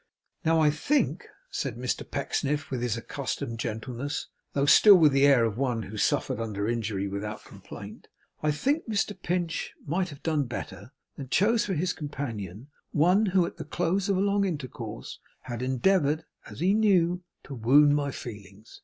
'Now I think,' said Mr Pecksniff with his accustomed gentleness, though still with the air of one who suffered under injury without complaint, 'I think Mr Pinch might have done better than choose for his companion one who, at the close of a long intercourse, had endeavoured, as he knew, to wound my feelings.